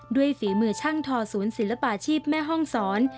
ฝีมือช่างทอศูนย์ศิลปาชีพแม่ห้องศร